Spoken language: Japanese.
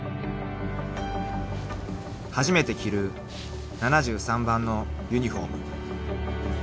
［初めて着る７３番のユニホーム］